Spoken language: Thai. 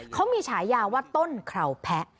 เขามีฉายาว่าต้นคราวแพะ